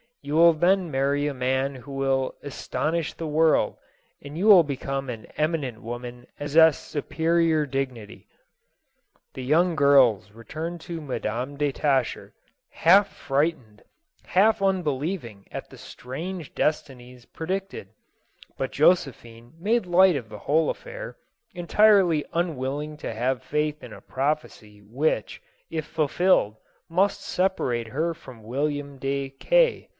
You will then marry a man who will as tonish the world, and you will become an eminent woman and possess a superior dignity." The young girls returned to Madam de Tascher, half frightened, half unbelieving at the strange desti nies predicted ; but Josephine made light of the whole affair, entirely unwilling to have faith in a prophecy which, if fulfilled, must separate her from "William de K...